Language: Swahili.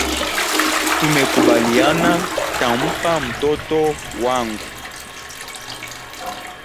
Tumekubaliana ntampa mtoto wangu